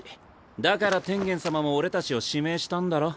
だから天元様も俺たちを指名したんだろ。